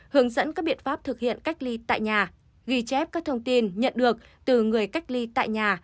hướng dẫn các biện pháp thực hiện cách ly tại nhà ghi chép các thông tin nhận được từ người cách ly tại nhà